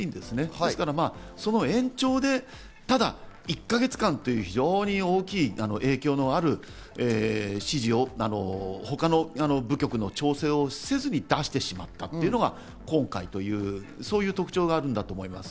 ですからその延長で、ただ１か月間という非常に大きい影響のある指示を他の部局の調整をせずに出してしまったというのが今回、そういう特徴があるんだと思います。